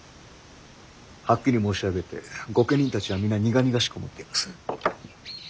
はっきり申し上げて御家人たちは皆苦々しく思っています。